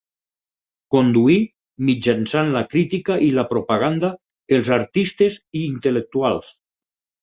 Conduir, mitjançant la crítica i la propaganda, els artistes i intel·lectuals.